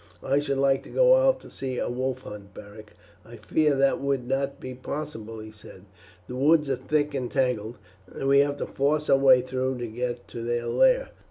"I should like to go out to see a wolf hunt, Beric." "I fear that would not be possible," he said; "the woods are thick and tangled, and we have to force our way through to get to their lair."